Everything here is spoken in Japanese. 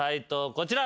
こちら。